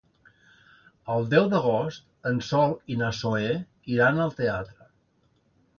El deu d'agost en Sol i na Zoè iran al teatre.